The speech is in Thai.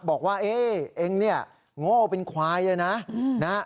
บอกว่าเอ๊ะเองเนี่ยโง่เป็นควายเลยนะ